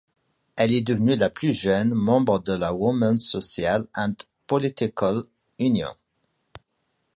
Elle est devenue la plus jeune membre de la Women's Social and Political Union.